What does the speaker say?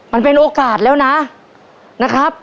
มันเป็นโอกาสแล้วนะนะครับ